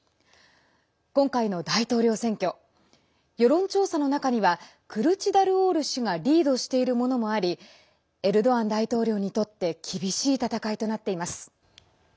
今回の大統領選挙世論調査の中にはクルチダルオール氏がリードしているものもありエルドアン大統領にとって厳しい戦いとなっています。